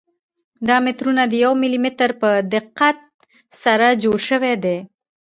دا مترونه د یو ملي متر په دقت سره جوړ شوي دي.